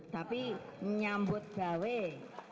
tapi nyambut ga weh